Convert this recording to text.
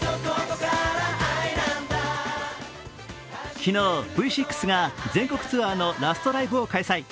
昨日、Ｖ６が全国ツアーのラストライブを開催。